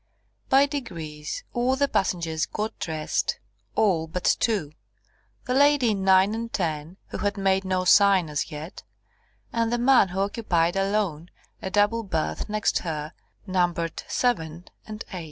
By degrees all the passengers got dressed, all but two, the lady in 9 and 10, who had made no sign as yet; and the man who occupied alone a double berth next her, numbered 7 and 8.